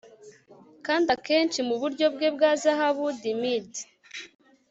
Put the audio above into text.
kandi akenshi muburyo bwe bwa zahabu dimm'd